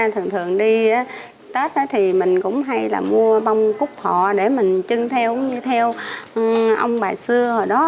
thường thường đi tết thì mình cũng hay là mua bông cúc thọ để mình chưng theo ông bà xưa